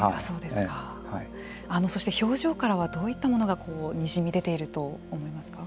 そして表情からはどういったものがにじみ出ていると思いますか。